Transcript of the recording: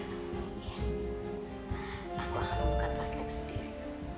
aku akan membuka praktek sendiri